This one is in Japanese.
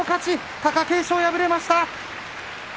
貴景勝、敗れました。